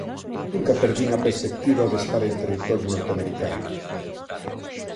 Nunca perdín a perspectiva de estar en territorio norteamericano.